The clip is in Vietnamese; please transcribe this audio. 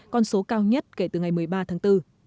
con số cao nhất kể từ ngày một mươi ba tháng bốn